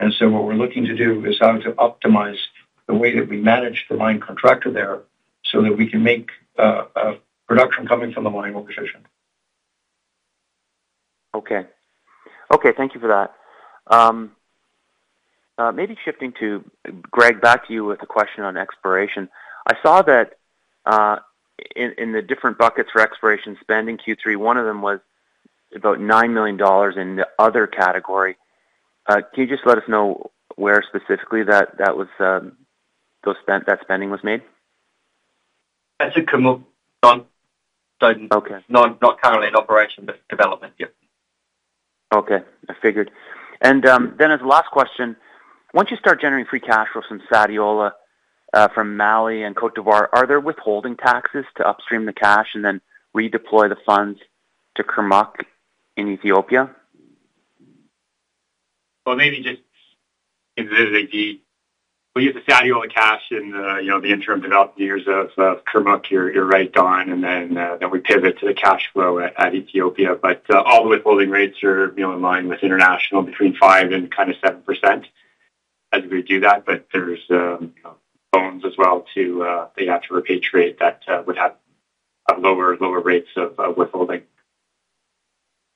S2: And so what we're looking to do is how to optimize the way that we manage the mine contractor there, so that we can make production coming from the mine more efficient.
S8: Okay. Okay, thank you for that. Maybe shifting to Greg, back to you with a question on exploration. I saw that in the different buckets for exploration spending, Q3, one of them was about $9 million in the other category. Can you just let us know where specifically that spending was made?
S9: That's a Kurmuk, Don.
S8: Okay.
S9: Not, not currently in operation, but development, yeah.
S8: Okay, I figured. Then, as a last question, once you start generating free cash flow from Sadiola, from Mali and Côte d'Ivoire, are there withholding taxes to upstream the cash and then redeploy the funds to Kurmuk in Ethiopia?
S9: Well, maybe just we use the Sadiola cash in the, you know, the interim development years of Kurmuk. You're right, Don, and then we pivot to the cash flow at Ethiopia. But all the withholding rates are, you know, in line with international between 5 and kind of 7% as we do that. But there's, you know, loans as well to they have to repatriate that would have lower rates of withholding.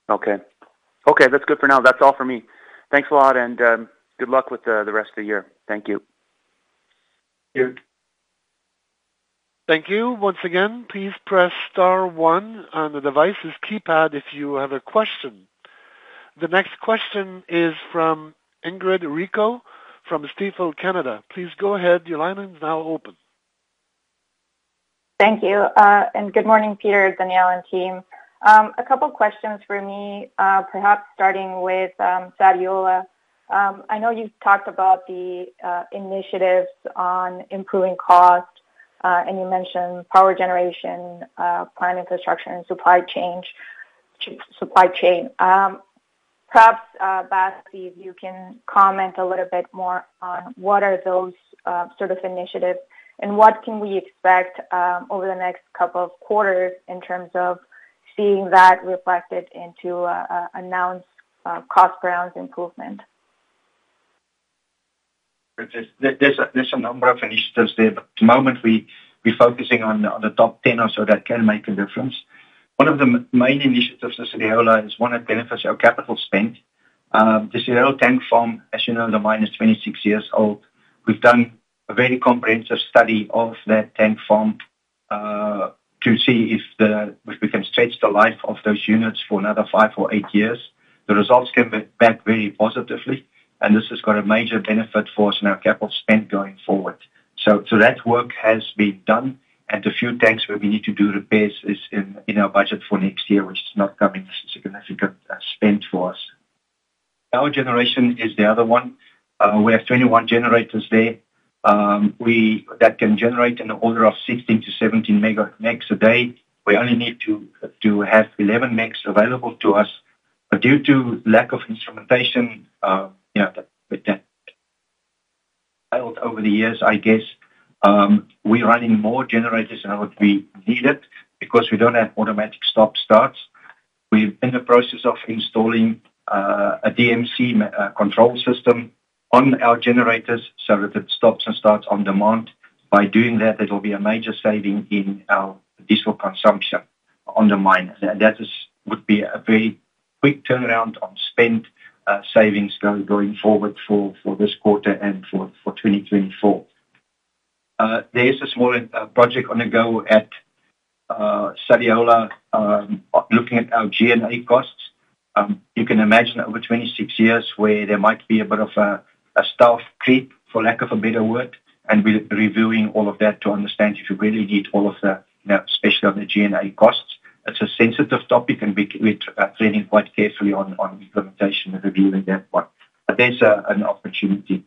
S8: Okay. Okay, that's good for now. That's all for me. Thanks a lot, and good luck with the rest of the year. Thank you.
S9: Thank you.
S1: Thank you. Once again, please press star one on the devices keypad if you have a question. The next question is from Ingrid Rico, from Stifel Canada. Please go ahead. Your line is now open.
S10: Thank you, and good morning, Peter, Daniel, and team. A couple questions for me, perhaps starting with Sadiola. I know you've talked about the initiatives on improving cost, and you mentioned power generation, plant infrastructure, and supply chain. Perhaps, Bas, if you can comment a little bit more on what are those sort of initiatives, and what can we expect over the next couple of quarters in terms of seeing that reflected into an announced cost guidance improvement?
S4: There's a number of initiatives there, but at the moment, we're focusing on the top 10 or so that can make a difference. One of the main initiatives of Sadiola is one that benefits our capital spend. The Sadiola tank farm, as you know, the mine is 26 years old. We've done a very comprehensive study of that tank farm to see if we can stretch the life of those units for another five or eight years. The results came back very positively, and this has got a major benefit for us in our capital spend going forward. So that work has been done, and the few tanks where we need to do repairs is in our budget for next year, which is not a significant spend for us. Our generation is the other one. We have 21 generators there. We that can generate an order of 16-17 MW a day. We only need to have 11 MW available to us. But due to lack of instrumentation, you know, that failed over the years, I guess, we're running more generators than what we needed because we don't have automatic stop starts. We're in the process of installing a DMC control system on our generators so that it stops and starts on demand. By doing that, there will be a major saving in our diesel consumption on the mine. That is would be a very quick turnaround on spend savings going forward for this quarter and for 2024. There is a small project on the go at Sadiola looking at our G&A costs. You can imagine over 26 years where there might be a bit of a staff creep, for lack of a better word, and we're reviewing all of that to understand if you really need all of the, you know, especially on the G&A costs. It's a sensitive topic, and we're treading quite carefully on the implementation and reviewing that one. But there's an opportunity.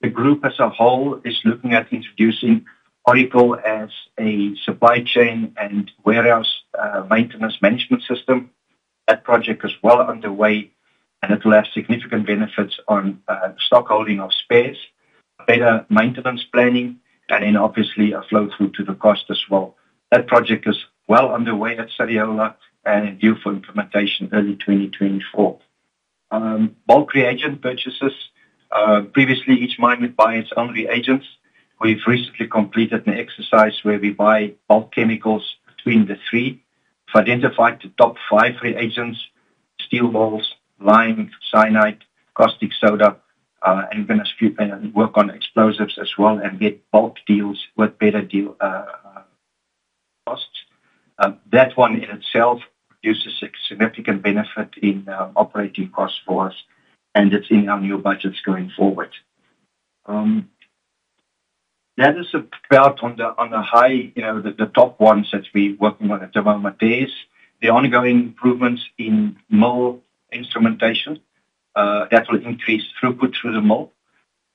S4: The group as a whole is looking at introducing Oracle as a supply chain and warehouse maintenance management system. That project is well underway, and it'll have significant benefits on stockholding of spares, better maintenance planning, and then obviously a flow through to the cost as well. That project is well underway at Sadiola and due for implementation early 2024. Bulk reagent purchases, previously, each mine would buy its own reagents. We've recently completed an exercise where we buy bulk chemicals between the three. We've identified the top five reagents, steel balls, lime, cyanide, caustic soda, and we're gonna work on explosives as well and get bulk deals with better deal costs. That one in itself produces a significant benefit in operating costs for us, and it's in our new budgets going forward. That is about on the, on the high, you know, the, the top ones that we're working on at the moment. There's the ongoing improvements in mill instrumentation that will increase throughput through the mill.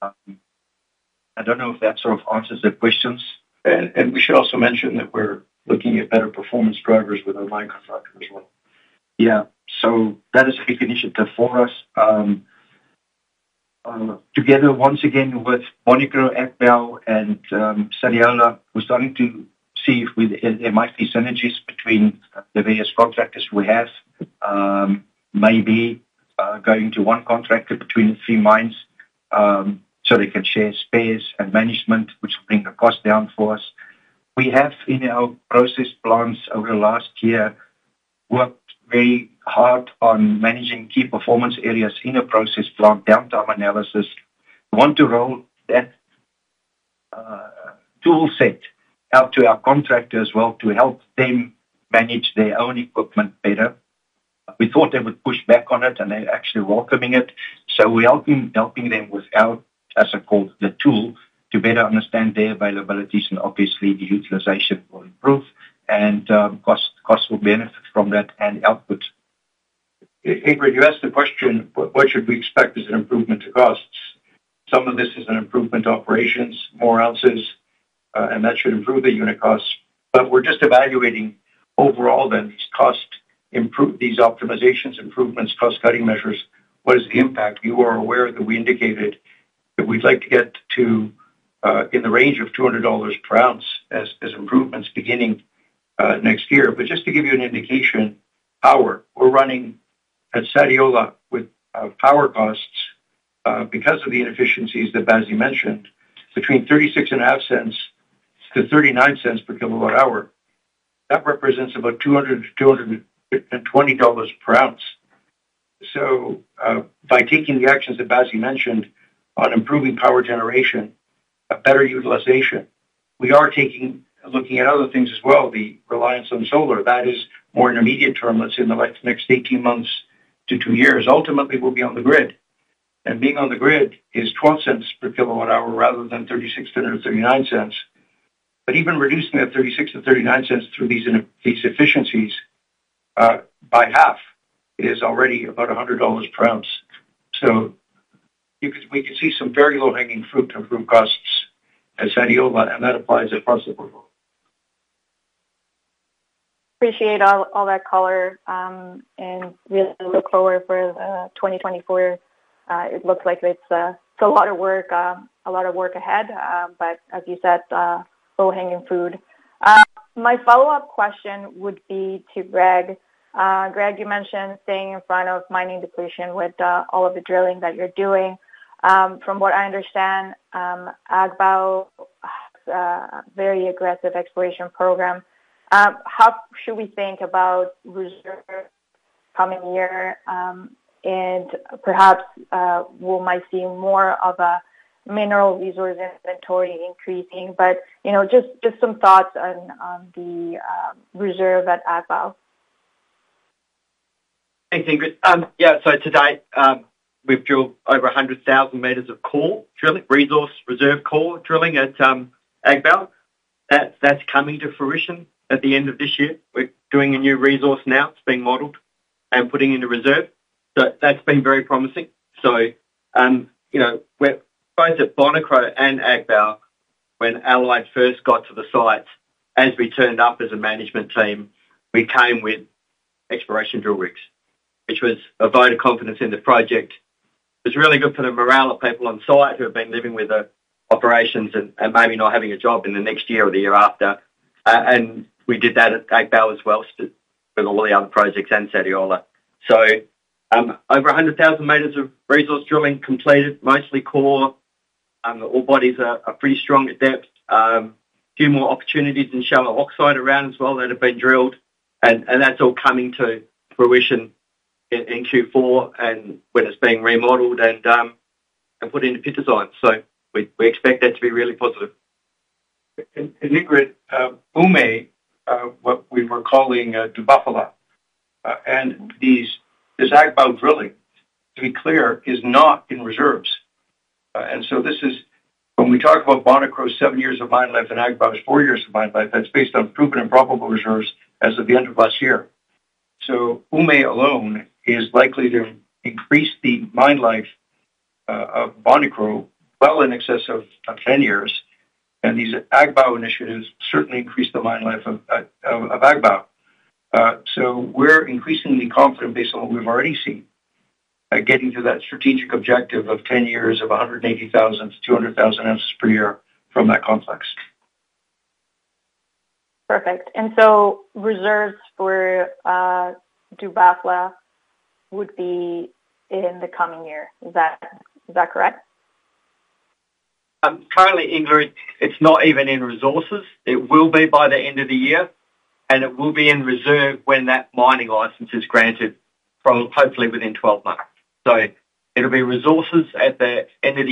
S4: I don't know if that sort of answers the questions. We should also mention that we're looking at better performance drivers with our mine contractor as well. Yeah. So that is a big initiative for us. Together, once again, with Bonikro, Agbaou, and Sadiola, we're starting to see if there might be synergies between the various contractors we have. Maybe going to one contractor between the three mines, so they can share space and management, which will bring the cost down for us. We have in our process plants over the last year, worked very hard on managing key performance areas in the process, plant downtime analysis. We want to roll that toolset out to our contractors as well, to help them manage their own equipment better. We thought they would push back on it, and they're actually welcoming it. So we're helping them with our, as I call, the tool, to better understand their availabilities, and obviously, the utilization will improve, and cost will benefit from that and output.
S2: Ingrid, you asked the question, what should we expect as an improvement to costs? Some of this is an improvement to operations, more ounces, and that should improve the unit costs. But we're just evaluating overall then, these optimizations, improvements, cost-cutting measures, what is the impact? You are aware that we indicated that we'd like to get to, in the range of $200 per ounce as improvements beginning next year. But just to give you an indication, power, we're running at Sadiola with power costs, because of the inefficiencies that Basie mentioned, between $0.365-$0.39 per kWh. That represents about $200-$220 per ounce. So, by taking the actions that Basie mentioned on improving power generation, a better utilization, we are looking at other things as well, the reliance on solar, that is more intermediate term. Let's say in the next 18 months to two years. Ultimately, we'll be on the grid, and being on the grid is $0.12/kWh rather than $0.36-$0.39/kWh. But even reducing that $0.36-$0.39/kWh through these efficiencies by half is already about $100 per ounce. So we can see some very low-hanging fruit to improve costs at Sadiola, and that applies at Faské.
S10: Appreciate all, all that color, and really look forward for, 2024. It looks like it's, it's a lot of work, a lot of work ahead, but as you said, low-hanging fruit. My follow-up question would be to Greg. Greg, you mentioned staying in front of mining depletion with, all of the drilling that you're doing. From what I understand, Agbaou, very aggressive exploration program. How should we think about reserve coming year? And perhaps, we might see more of a mineral resource inventory increasing, but, you know, just, just some thoughts on, on the, reserve at Agbaou.
S6: Thanks, Ingrid. Yeah, so today, we've drilled over 100,000 meters of core drilling, resource reserve core drilling at Agbaou. That's coming to fruition at the end of this year. We're doing a new resource now. It's being modeled and putting into reserve. So that's been very promising. So, you know, we're both at Bonikro and Agbaou, when Allied first got to the site, as we turned up as a management team, we came with exploration drill rigs, which was a vote of confidence in the project. It's really good for the morale of people on site who have been living with the operations and maybe not having a job in the next year or the year after. And we did that at Agbaou as well, with all the other projects and Sadiola. So, over 100,000 meters of resource drilling completed, mostly core. The ore bodies are, are pretty strong at depth. A few more opportunities and shallow oxide around as well that have been drilled, and, and that's all coming to fruition in, in Q4 and when it's being remodeled and, and put into pit design. So we, we expect that to be really positive.
S2: Ingrid, Oumé, what we were calling, Dougbafla, and these, this Agbaou drilling, to be clear, is not in reserves. And so this is, when we talk about Bonikro, seven years of mine life and Agbaou four years of mine life, that's based on proven and probable reserves as of the end of last year. So Oumé alone is likely to increase the mine life of Bonikro well in excess of, 10 years, and these Agbaou initiatives certainly increase the mine life of, of, Agbaou. So we're increasingly confident, based on what we've already seen, at getting to that strategic objective of 10 years of 180,000 to 200,000 ounces per year from that complex.
S10: Perfect. And so reserves for Diba would be in the coming year. Is that, is that correct?
S6: Currently, Ingrid, it's not even in resources. It will be by the end of the year, and it will be in reserve when that mining license is granted from hopefully within 12 months. So it'll be resources at the end of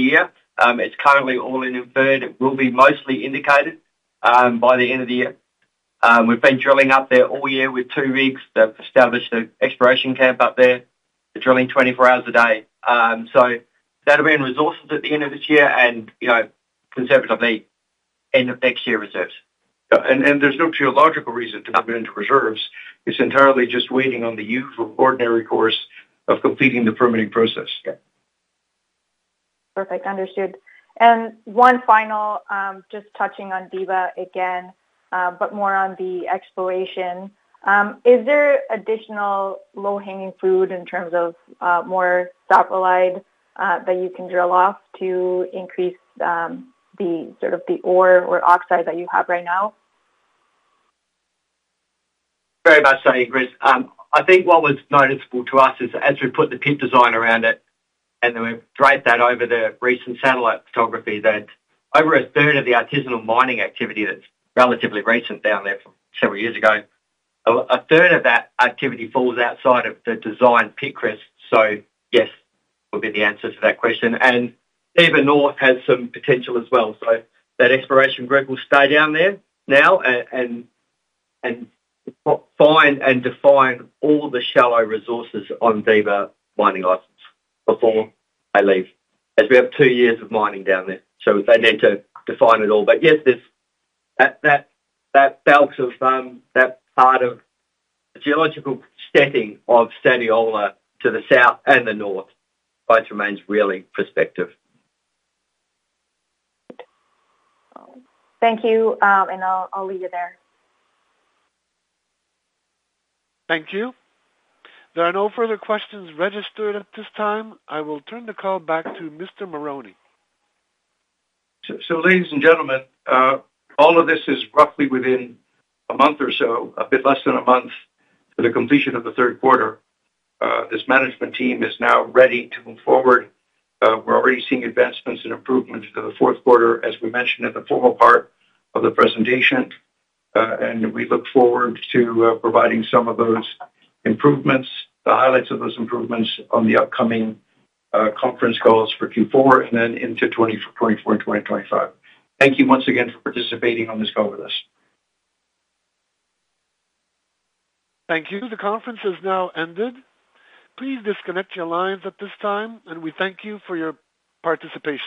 S6: this year and, you know, conservatively, end of next year reserves.
S2: There's no geological reason to put it into reserves. It's entirely just waiting on the usual ordinary course of completing the permitting process.
S6: Yeah.
S10: Perfect. Understood. And one final, just touching on Diba again, but more on the exploration. Is there additional low-hanging fruit in terms of, more sulfide, that you can drill off to increase, the sort of ore or oxide that you have right now?
S6: Very much so, Ingrid. I think what was noticeable to us is as we put the pit design around it, and then we've draped that over the recent satellite photography, that over a third of the artisanal mining activity that's relatively recent down there from several years ago, a third of that activity falls outside of the designed pit crest. So yes, would be the answer to that question. And even north has some potential as well. So that exploration group will stay down there now and find and define all the shallow resources on Diba mining license before they leave, as we have two years of mining down there, so they need to define it all. But yes, there's that belt of that part of the geological setting of Sadiola to the south and the north, both remains really prospective.
S10: Thank you, and I'll leave you there.
S1: Thank you. There are no further questions registered at this time. I will turn the call back to Mr. Marrone.
S2: So, ladies and gentlemen, all of this is roughly within a month or so, a bit less than a month, to the completion of the third quarter. This management team is now ready to move forward. We're already seeing advancements and improvements to the fourth quarter, as we mentioned at the formal part of the presentation, and we look forward to providing some of those improvements, the highlights of those improvements on the upcoming conference calls for Q4 and then into 2024 and 2025. Thank you once again for participating on this call with us.
S1: Thank you. The conference has now ended. Please disconnect your lines at this time, and we thank you for your participation.